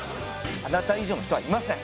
あなた以上の人はいません。